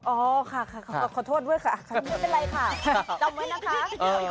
โอ๋ค่ะขอโทษด้วยค่ะจำไว้นะคะ